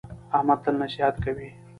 احمد تل نصیحت کوي.